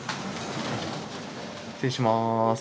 失礼します。